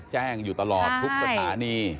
แจ้งอยู่ตลอดทุกสถานี